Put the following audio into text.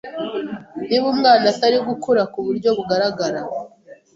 Niba umwana atari gukura ku buryo bugaragara,